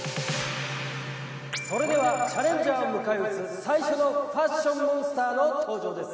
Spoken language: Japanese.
それではチャレンジャーを迎え撃つ最初のファッションモンスターの登場です。